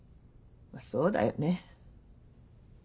そうだよね。